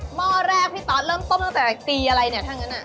หม้อแรกพี่ตอสเริ่มต้มตั้งแต่ตีอะไรเนี่ยถ้างั้น